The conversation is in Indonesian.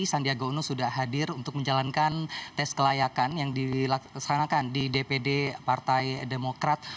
sandiaga uno sudah hadir untuk menjalankan tes kelayakan yang dilaksanakan di dpd partai demokrat